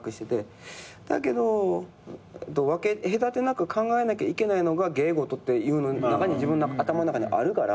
だけど分け隔てなく考えなきゃいけないのが芸事っていうの自分の頭の中にあるから。